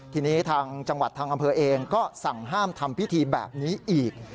ทีนี้ทางจังหวัดทางอำเภอเองก็สั่งห้ามทำพิธีแบบนี้อีก